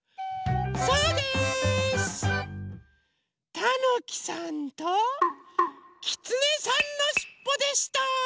たぬきさんときつねさんのしっぽでした！